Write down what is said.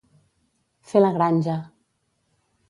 Fer la granja.